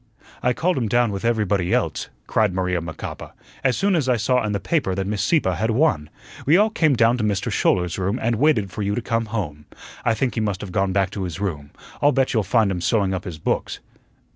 "I called him down with everybody else," cried Maria Macapa, "as soon as I saw in the paper that Miss Sieppe had won. We all came down to Mr. Schouler's room and waited for you to come home. I think he must have gone back to his room. I'll bet you'll find him sewing up his books."